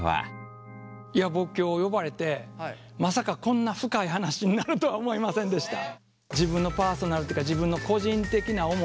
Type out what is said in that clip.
いや僕今日呼ばれてまさかこんな深い話になるとは思いませんでした。